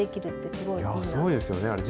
すごいですね。